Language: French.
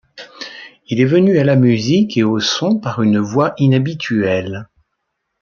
Il est venu à la musique et au son par une voie inhabituelle.